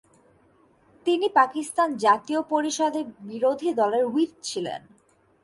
তিনি পাকিস্তান জাতীয় পরিষদে বিরোধী দলের হুইপ ছিলেন।